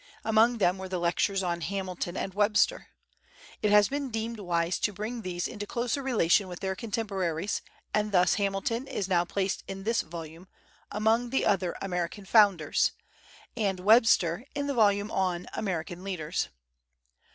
Among them were the lectures on Hamilton and Webster. It has been deemed wise to bring these into closer relation with their contemporaries, and thus Hamilton is now placed in this volume, among the other "American Founders," and Webster in the volume on "American Leaders."